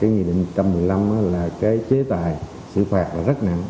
nghị định một trăm một mươi năm là chế tài xử phạt rất nặng